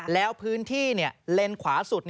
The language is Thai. แล้วพื้นที่เลนส์ขวาสุด